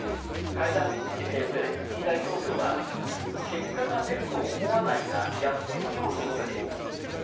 会談についてゼレンスキー大統領は結果が出ると思わないがやってみようと述べています。